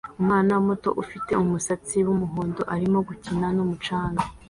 Umwana muto ufite umusatsi wumuhondo arimo gukina numucanga